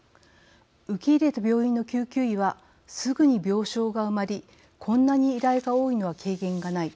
受け入れた病院の救急医は「すぐに病床が埋まりこんなに依頼が多いのは経験がない。